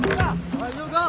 大丈夫か？